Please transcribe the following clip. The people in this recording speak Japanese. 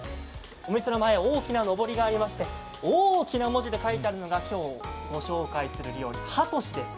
お店の前、大きなのぼりがありまして大きな文字で書いてあるのが今日ご紹介する料理、ハトシです。